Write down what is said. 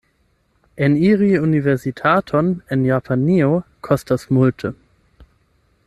Eniri universitaton en Japanio kostas multe.